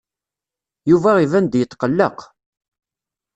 Yuba iban-d yetqelleq.